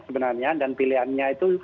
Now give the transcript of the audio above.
sebenarnya dan pilihannya itu